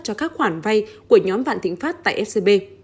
cho các khoản vay của nhóm vạn thịnh pháp tại scb